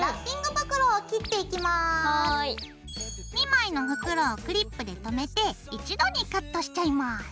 ２枚の袋をクリップでとめて一度にカットしちゃいます。